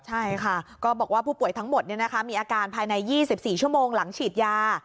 ใช่ค่ะก็บอกว่าผู้ป่วยทั้งหมดมีอาการภายใน๒๔ชั่วโมงหลังฉีดยา